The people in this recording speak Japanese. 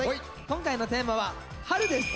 今回のテーマは「春」です。